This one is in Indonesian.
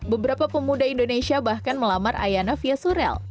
beberapa pemuda indonesia bahkan melamar ayana via surel